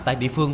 tại địa phương